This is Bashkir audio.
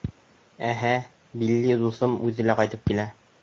Әһә, Билли дуҫым үҙе лә ҡайтып килә.